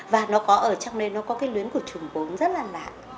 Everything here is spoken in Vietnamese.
và nó có ở trong đây nó có cái luyến của trùm bốn rất là lạ